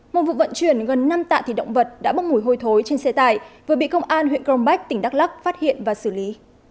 một vụ vận chuyển gần năm tạ thị động vật đã bốc mùi hôi thối trên xe tải vừa bị công an huyện crong bách tỉnh đắk lắc phát hiện và xử lý